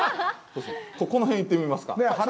この辺、行ってみますか。